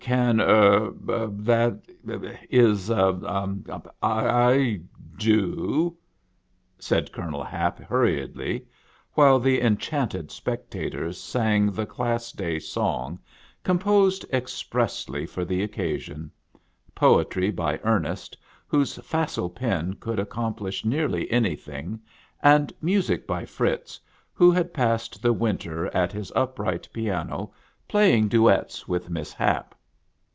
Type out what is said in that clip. I can ... er ... that is ... I do," said Colonel Hap, hurriedly, while the enchanted specta tors sang the Class Day song, composed expressly for the occasion, — poetry by Ernest, whose facile pen could accomplish nearly anything, and music by Fritz, who had passed the winter at his upright piano, play ing duets with Miss Hap.